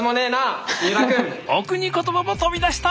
お国言葉も飛び出した！